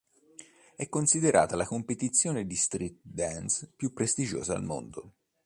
È considerata la competizione di street dance più prestigiosa al mondo.